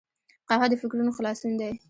قهوه د فکرونو خلاصون دی